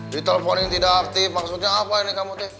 ditelepon yang tidak aktif maksudnya apa ini kamu deh